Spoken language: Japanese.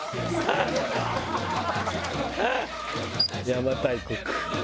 邪馬台国。